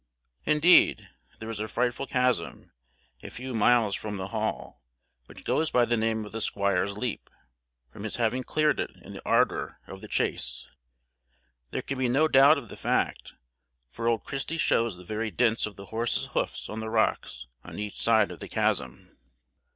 Indeed, there is a frightful chasm, a few miles from the Hall, which goes by the name of the Squire's Leap, from his having cleared it in the ardour of the chase; there can be no doubt of the fact, for old Christy shows the very dints of the horse's hoofs on the rocks on each side of the chasm.